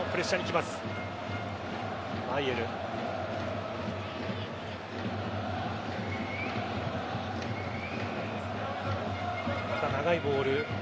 また長いボール。